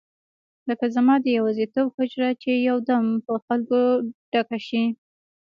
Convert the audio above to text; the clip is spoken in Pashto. لکه زما د یوازیتوب حجره چې یو دم په خلکو ډکه شي.